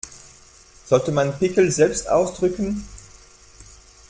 Sollte man Pickel selbst ausdrücken?